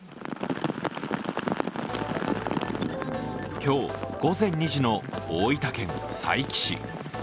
今日午前２時の大分県佐伯市。